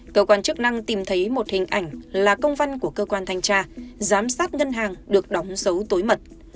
cơ quan chức năng tìm thấy một hình ảnh là công văn của cơ quan thanh tra giám sát ngân hàng được đóng dấu mật